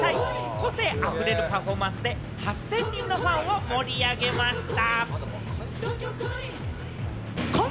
個性あふれるパフォーマンスで８０００人のファンを盛り上げました！